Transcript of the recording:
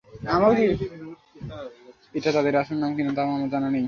এটা তাঁদের আসল নাম কি না, তাও আমার জানা নেই।